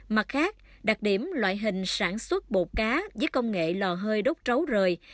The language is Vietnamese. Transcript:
mặt khác đặc điểm loại hình sản xuất bột cá với công nghệ lò hơi đốt trấu rời